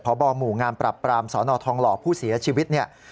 พบหมู่งามปรับปรามสนทองหล่อผู้เสียชีวิตเนี่ย